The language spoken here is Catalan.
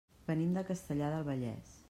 Venim de Castellar del Vallès.